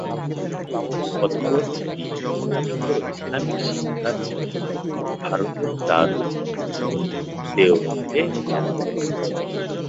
অতঃপর তিনি উচ্চতর ইসলামিক শিক্ষার জন্য ভারতের দারুল উলূম দেওবন্দে যান।